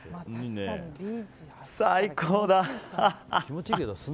最高だ！